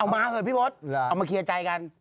เอามาเหอะพี่พฤตเอามาเคลียร์ใจกัน